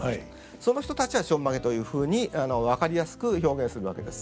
その人たちはちょんまげというふうに分かりやすく表現するわけです。